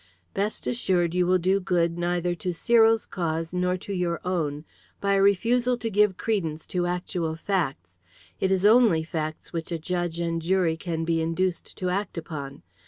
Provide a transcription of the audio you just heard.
"Best assured you will do good neither to Cyril's cause nor to your own by a refusal to give credence to actual facts. It is only facts which a judge and jury can be induced to act upon.